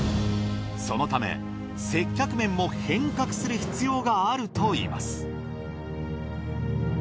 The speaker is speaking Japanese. そのため接客面も変革する必要があるといいます。